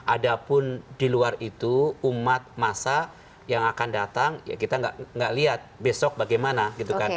ada pun di luar itu umat masa yang akan datang ya kita nggak lihat besok bagaimana gitu kan